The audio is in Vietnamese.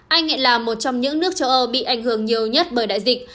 anh hiện là một trong những nước châu âu bị ảnh hưởng nhiều nhất bởi đại dịch